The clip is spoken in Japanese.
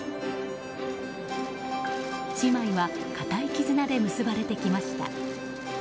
姉妹は固い絆で結ばれてきました。